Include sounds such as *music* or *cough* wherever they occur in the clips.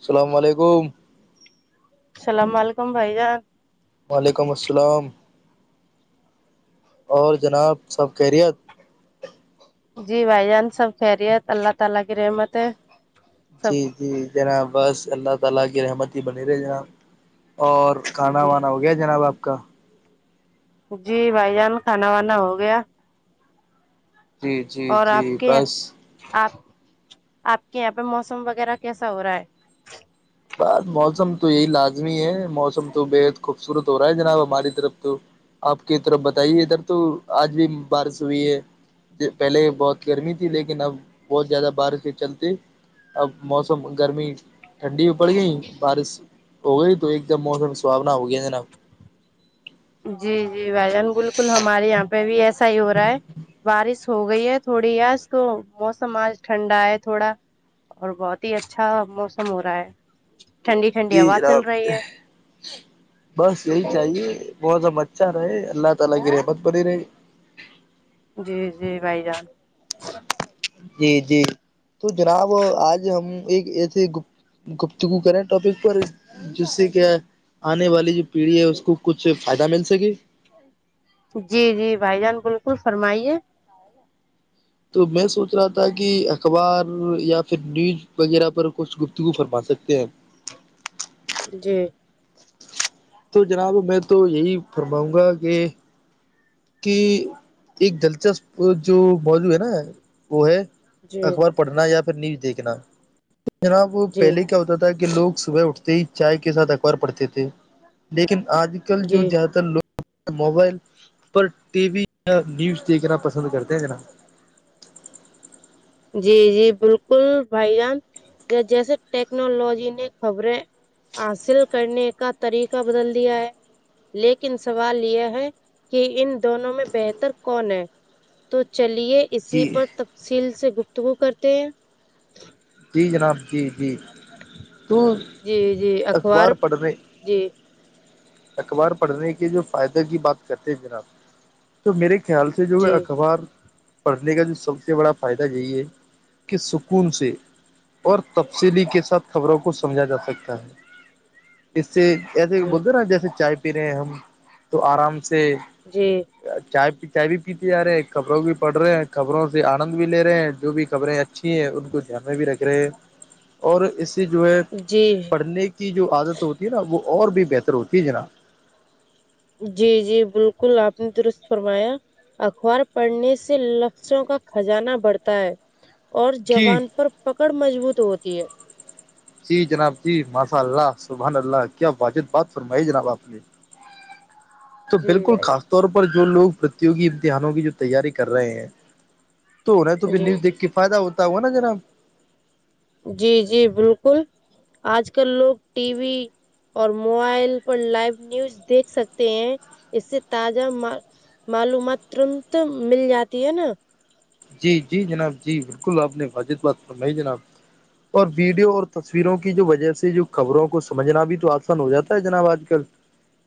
السلام علیکم السلام علیکم بھائی جان وعلیکم السلام اور جناب سب خیریت جی بھائی جان سب سب جی جی ذرا بس اللہ تعالی کی رحمت ہی بنی رہے جناب اور کھانا جی وانا ہو گیا جناب آپ کا جی بھائی جان کھانا وانا ہو گیا جی جی اور جی آپ کے بس آپ آپ کے یہاں پہ موسم وغیرہ کیسا ہو رہا ہے بات موسم تو یہی لازمی ہے موسم تو بےحد خوبصورت ہو رہا ہے جناب ہماری طرف تو آپ کی طرف بتائیے ادھر تو آج بھی بارش ہوئی ہے پہلے بہت گرمی تھی لیکن اب بہت زیادہ بارش سے چلتے اب موسم گرمی ٹھنڈی *unintelligible* بارش ہو گئی ہی تو ایک تو موسم سحاونا ہو گیا جناب جی جی بھ جان بالکل ہمارے یہاں پہ بھی ایسا ہی ہو رہا ہے بارش ہو گئی ہے تھوڑی اس کو موسم آج ٹھنڈا ہے تھوڑا اور بہت ہی اچھا موسم ہو رہا ہے ٹھنڈی ٹھنڈی جی ہوا چل جناب رہی ہے بس یہی چاہیے بہت ام ارے اللہ تعالی کی جی جی بھائی جان جی جی تو جناب آج ہم ایک ایسے گ گپتگو کریںٹاپک پر جس سے کیا آنے والی جو پیڑھی ہے اس کو کچھ فائدہ مل سکے جی جی بھائی جان بالکل فرمائیے تو میں سوچ رہا تھا کہ اخبار یا پھر نیوج وغیرہ پر کچھ گفتگو فرما سکتے ہیں جی تو جناب میں تو یہی فرماؤں گا کہ کہ ایک دلچسپ جو موضوع ہے نا وہ ہے جی اکبر پڑھنا یا پھر نیوز دیکھنا جناب جی پہلے کیا ہوتا تھا کہ لوگ صبح اٹھتے ہی چائے کے ساتھ اخبار پڑھتے تھے لیکن آج کل جو جی زیادہ تر لوگ *unintelligible* پر ٹی وی یا نیوز دیکھنا پسند کرتے ہیں کہ نا جی جی بالکل بھائی جان جیسے ٹیکنالوجی نے خبریں حاصل کرنے کا طریقہ بدل دیا ہے لیکن سوال یہ ہے کہ ان دونوں میں بہتر کون ہے تو چلیے اسی جی پر تفصیل سے گفتگو کرتے ہیں جی جناب جی جی تو جی جی اخبار پڑھنےے جی اخبار پڑھنے کے جو فائدے کی بات کرتے ہیں جناب تو میرے خیال سے جو ہے جی اخبار پڑھنے کا جو سب سے بڑا فائدہ یہی ہے کہ سکون سے اور تفصیلی کے ساتھ خبروں کو سمجھا جا سکتا ہے اس سے ایسے جی بولتے نا جیسے چائے پی رہے ہیں ہم تو آرام سے جی چائے چائے بھی پیتے جا رہے ہیں خبروں بھی پڑھ رہے ہیں خبروں سے آنند بھی لے رہے ہیں جو بھی خبریں ہیں ا اھی ہیں ان کو دھیان میں بھی رکھ رہے ہیں اور اس سے جو ہے جی پڑھنے کی کی جو عادت ہوتی ہے نا وہ اور بھی بہتر ہوتی ہے ج نا جی جی بالکل آپ نے درست فرمایا اخبار پڑھنے سے لفظوں کا خجانہ بڑھتا ہے اور جی جوان پر پکڑ مضبوط ہوتی ہے جی جناب جی ماشاء اللہ سبحان اللہ کیا واجد بات فرمائی جناب آپ نے تو جی بالکل بھائی خاص طور پر جو لوگ پرتوگی امتحانوں کی جو تیاری کر رہے ہیں تو نا تو جان، پھر جی نیوز دیکھ کے فائدہ ہوتا ہوا نا را جی جی بالکل آج کل لوگ ٹی وی اور موبائل پر لائو نیوز دیکھ سکتے ہیں اس سے تازہ م معلومات ترت مل جاتی ہے نا جی جی جناب جی بالکل آپ نے واجد بات کرنا جناب اور ویڈیو اور تصویروں کی جو وجہ سے جو خبروں کو سمجھنا بھی تو آسان ہو جاتا ہے جناب آج کل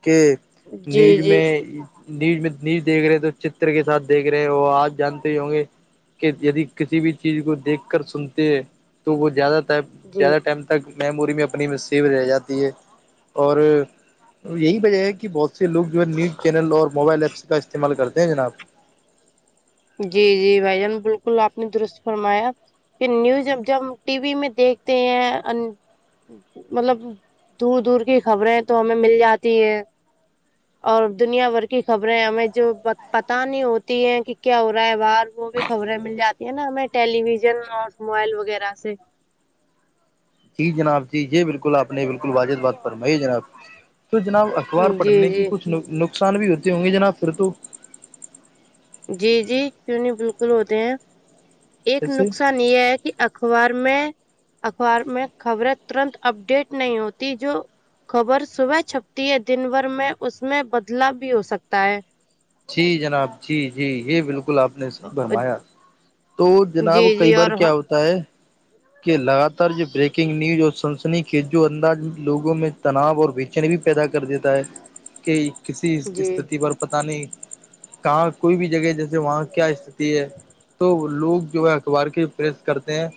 کے جی نیز جی میں نیوز میں نیوز دیکھ رہے ہیں تو چتر کے ساتھ دیکھ رہے ہیں وہ آپ جانتے ہی ہوں گے کہ یدی کسی بھی چیز کو دیکھ کر سنتے ہیں تو وہ زیادہ ٹائم جی زیادہ ٹائم تک میموری میں اپنی میں سیو رہ جاتی ہے اور یہی وجہ ہے کہ بہت سے لوگ جو ہے نیوز چینل اور موبائل ایپس کا استعمال کرتے ہیں جناب جی جی بھائی جان بالکل آپ نے درست فرمایا کہ نیوزب جب ہم ٹی وی میں دیکھتے ہیں مطلب دور دور کی خبریں تو ہمیں مل جاتی ہے اور دنیا بھر کی خبریں ہمیں جو پت نہیں ہوتی ہے کہ کیا ہو رہا ہے باہر وہ بھی خبریں مل جاتی ہیں نا ہمیں ٹیلی ویژن اور موبائل وغیرہ سے جی جناب جی یہ بالکل آپ نے بالکل واجب بات فرمائی جناب تو جناب اخبار جی پڑھنے کی جی کچھ نقصان بھی ہوتی ہوں گے جناب پھر تو جی جی کیوں نہیں بالکل ہوتے ہیں ایک جیسے نقصان یہ ہے کہ اخبار میں اخبار میں خبریں ترنت اپڈیٹ نہیں ہوتی جو خبر صبح چھپتی ہے دن بھر میں اس میں بدلاؤ بھی ہو سکتا ہے جی جناب جی جی یہ بالکل آپ نے صحیح برمایا تو جناب جی کئی جی بار اور ہاں کیا ہوتا ہے لگاتار جو بریکنگ نیوز اور سنسنی خیز جو انداز لوگوں میں تناؤ اور بے چینی پیدا کر دیتا ہے کہ کسی جی استتی پر پتہ نہیں کہاں کوئی بھی جگہ جیسے وہاں کیا استتی ہے تو لوگ جو ہے اخبار کی پریس کرتے ہیں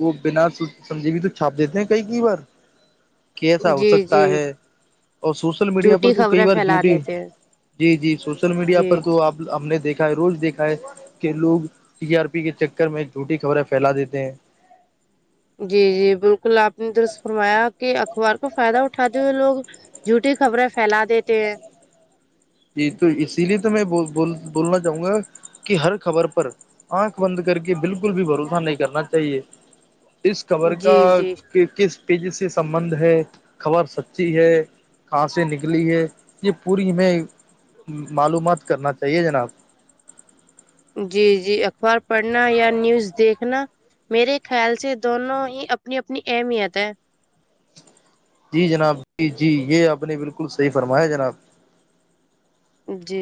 وہ بنا سمجے بھی تو چھاپ دیتے ہیں کئی کئی بار کیسا ہو جی سکتا جی ہے اور سوشل میڈیا پر جھوٹی تو کئی خبریں بار پھیلا جھوٹی دیتے ہیں جی جی سوشل میڈیا پر جی تو آپ ہم نے دیکھا ہے روز دیکھا ہے کہ لوگ ٹی آر پی کے چکر میں جھوٹی خبریں پھیلا دیتے ہیں جی جی بالکل آپ نے درست فرمایا کہ اخبار کو فائدہ اٹھاتے ہوئے لوگ جھوٹی خبریں پھیلا دیتے ہیں جی تو اسی لیے تو میں بول بولنا چاہوں گا کی ہر خبر پر آنکھ بند کر کے بالکل بھی بھروسہ نہیں کرنا چاہیے اس خبر جی کا جی کس پیج سے سنبھند ہے خبر سچی ہے کہاں سے نکلی ہے یہ پوری میں معلومات کرنا چاہیے جناب جی جی اخبار پڑھنا یا نیوز دیکھنا میرے خیال سے دونوں ہی اپنی اپنی اہمیت ہے جی جناب جی جی یہ آپ نے بالکل صحیح فرمایا جناب جی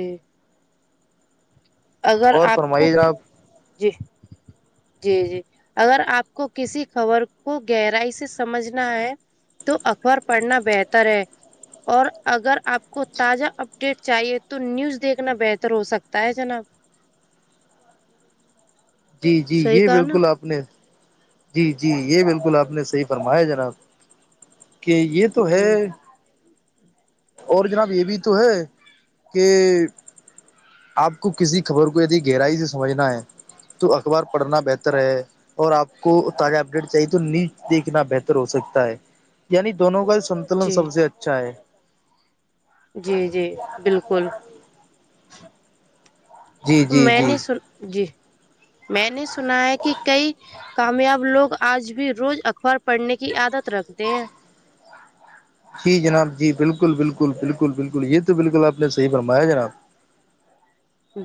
اگر اور آپ کو فرمائیے جناب جی *inaudible* جی جی اگر آپ کو کسی خبر کو گہرائی سے سمجھنا ہے تو اخبار پڑھنا بہتر ہے اور اگر آپ کو تازہ اپڈیٹ چاہیے تو نیوز دیکھنا بہتر ہو سکتا ہے جناب جی جی صحیح یہ کہا نا بالکل آپ نے جی جی یہ بالکل آپ نے صحیح فرمایا جناب کہ یہ تو ہے جی اور جناب یہ بھی تو ہے کہ آپ کو کسی خبر کو یدی گہرائی سے سمجھنا ہے تو اخبار پڑھنا بہتر ہے اور آپ کو تازہ اپڈیٹ چاہیے تو نیوز دیکھنا بہتر ہو سکتا ہے یعنی دونوں کا سنتولن جی سب سے اچھا ہے جی جی بالکل جی جی میں جی نے سن جی میں نے سنا ہے کہ کئی کامیاب لوگ آج بھی روز اخبار پڑھنے کی عادت رکھتے ہیں جی جناب جی بالکل بالکل بالکل بالکل یہ تو بالکل آپ نے صحیح برمایا جناب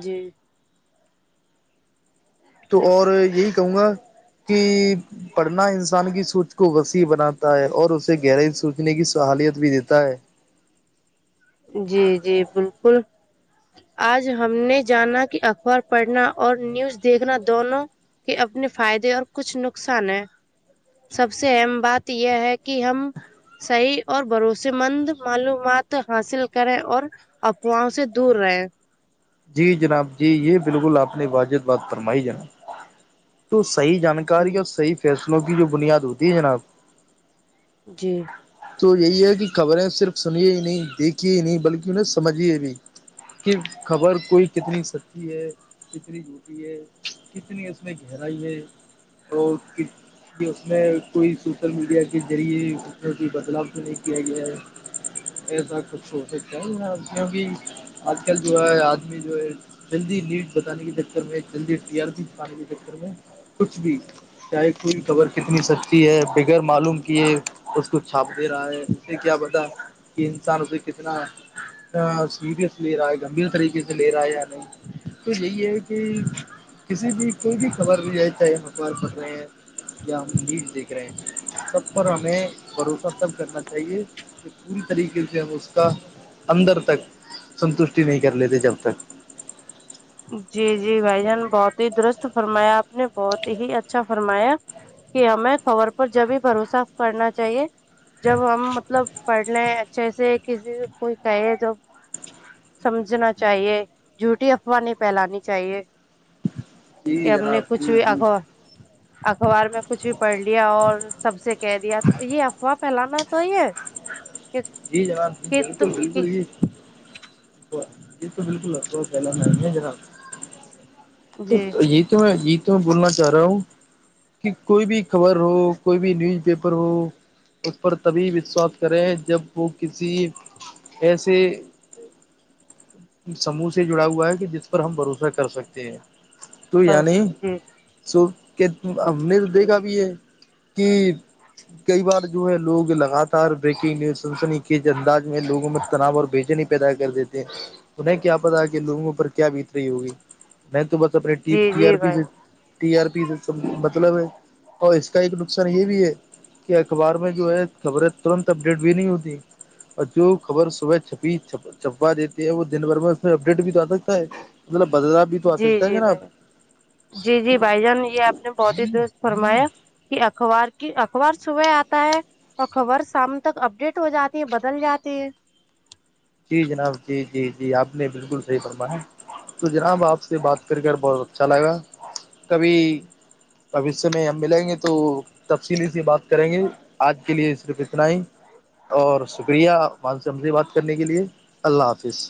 جی تو اور یہی کہوں گا کہ پڑھنا انسان کی سوچ کو وسیع بناتا ہے اور اسے گہرائی سوچنے کی صہالیت بھی دیتا ہے جی جی بالکل آج ہم نے جانا کہ اخبار پڑھنا اور نیوز دیکھنا دونوں کہ اپنے فائدے اور کچھ نقصان ہے سب سے اہم بات یہ ہے کہ ہم صحیح اور بھروسے مند معلومات حاصل کریں اور افواہوں سے دور رہیں جی جناب جی یہ بالکل آپ نے واجب بات فرمائی جناب تو صحیح جانکاری جی اور صحیح فیصلوں کی جو بنیاد ہوتی ہے جناب جی تو یہی ہے کہ خبریں صرف سنی ہی نہیں دیکھیے ہی نہیں بلکہ انہیں سمجھیے بھی کہ خبر کوئی کتنی سچتی ہے کتنی جووٹی ہے کتنی اس میں گہرائی ہے اور ک کہ اس میں کوئی سوشل میڈیا کے ذریعے اس میں کوئی بدلاؤ تو نہیں کیا گیا ہے ای س کچھ ہو تو کہیں آ کی بھی اج کل جو ہے آدمی جو ہے جلدی نیٹ بتانے کے چکر میں جلدی ر بکانے کے چکر میں کچھ بھی چے کوئی خبر کتنی سچتی ہے بغیر معلوم کیے اس کو چھاپ دے رہا ہے کیا پتا کہ انسان اسے کتنا سیریسلی رہ گمبھیر طریقے سے لے رہا ہے یا نہیں تو یہی ہے کہ کسی بھی کوئی بھی خبر بھی جائے چاہے ہمخبار پکرے ہیں یا ہم نیوز دیکھ رہے سب پر ہمیں بھروسہ تب کرنا چاہیے پوری طریقے سے ہم اس کا اندر تک سنتوشٹی نہیں کر لیتے جب تک جی جی بھائی جان بہت ہی درست فرمایا آپ نے بہت ہی اچھا فرمایا کہ ہمیں خبر پر جب بھی بھروسہ کرنا چاہیے جب ہم مطلب پڑھ لیں اچھے سے کسی سے کوئی کہے جب سمجھنا چاہیے جھوٹیھی افواہ نہیں پھیلانی چاہیے کہ ہم نے کچھ بھی آگو ہ اخبار میں کچھ بھی پڑھ لیا اور سب سے کہہ دیا تو یہ افواہ پھیلانا تو ہی ہے جی جناب جی بالکل تم بالکل جی یہ تو بالکل ب پہلا م ہے جناب تو جی یہ تو میں یہ تو میں بولنا چاہ رہا ہوں کہ کوئی بھی خبر ہو کوئی بھی نیوز پیپر ہو اس پر تبھی وشواس کرے ہیں جب وہ کسی اے سی سموہ سے جڑا ہوا ہے کہ جس پر ہم بھروسہ کر سکتے ہیں تو یا بس نہیں جی سو کیا ہم نے تو دیکھا بھی ہے کہ کئی بار جو ہے لوگ لگاتار بریکنگ نیوز سنسنی کے انداز میں لوگوں میں تناب اور بھیجنے پ پیدا کر دیتے ہیں انہیں کیا پتا کہ لوگوں پر کیا بت رہی ہوگی میں تو بس اپنے جی ٹی آر جی پی بھائی سے ٹی آر پی سے سب مطلب ہے اور اس کا ایک نقصان یہ بھی ہے کہ اخبار میں جو ہے خبریں ترنت اپڈیٹ بھی نہیں ہوتی اور جو خبر صبح چھپی چھپا دیتی ہے وہ دن بھر میں اس میں اپڈیٹ بھی تو آ سکتا ہے مطلب بدلا جی جی بھائی جی جی بھائی جان یہ آپ نے بہت ہی درست فرمایا کہ اخبار کی اخبار صبح آتا ہے اور خبر شام تک اپڈیٹ ہو جاتی ہے بدل جاتی ہے جی جناب جی جی جی آپ نے بالکل صحیح فرما ہے تو جناب آپ سے بات کرکٹ بہت اچھا لگے گا کبھی اب اس سے میں ہم ملیں گے تو تفصیلی سی بات کریں گے آج کے لیے صرف اتنا ہی اور شکریہ مانسمز بات کرنے کے لیے اللہ حافظ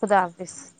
خدا حافظ